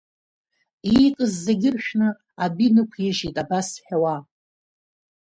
Иикыз зегьы ыршәны адәы инықәижьит, абас ҳәауа…